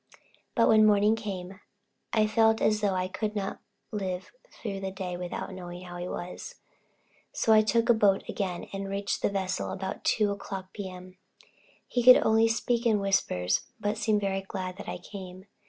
But when morning came, I felt as though I could not live through the day without knowing how he was. So I took a boat again, and reached the vessel about 2 o'clock P.M. He could only speak in whispers, but seemed very glad that I came.